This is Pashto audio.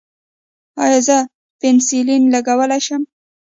ایا زه پنسلین لګولی شم؟